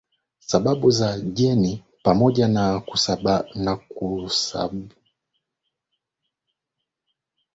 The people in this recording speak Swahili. sababu za jeni pamoja na sababukijamii na kisaikolojia huchangia